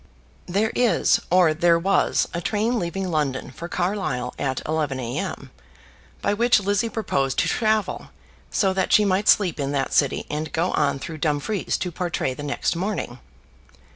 There is, or there was, a train leaving London for Carlisle at 11 a.m., by which Lizzie proposed to travel, so that she might sleep in that city and go on through Dumfries to Portray the next morning.